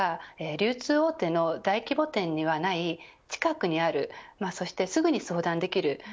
流通大手の大規模店にはない近くにあるそしてすぐに相談できる